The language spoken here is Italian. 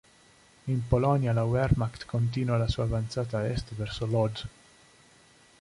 In Polonia, la Wehrmacht continua la sua avanzata a est verso Łódź.